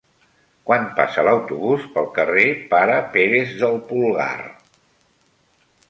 Quan passa l'autobús pel carrer Pare Pérez del Pulgar?